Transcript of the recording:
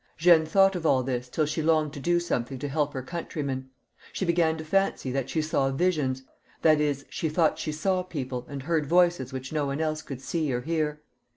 'Jeanne thought of all this till she longed to do some thing to help her countrymen. She began to fancy that she saw visions, that is, that she thought she saw people and heard voices which no one else could see or hear.